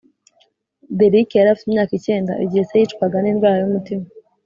Derrick yari afite imyaka icyenda igihe se yicwaga n’indwara y’umutima